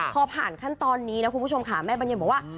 พอผ่านขั้นตอนนี้นะคุณผู้ชมค่ะแม่บัญญังบอกว่า